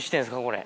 これ。